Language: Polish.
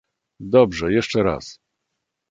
"dobrze, jeszcze raz!"